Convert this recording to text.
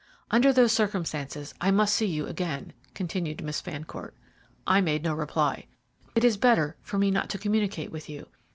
"Under those circumstances I must see you again," continued Miss Fancourt. I made no reply. "It is better for me not to communicate with you.